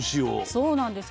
そうなんです。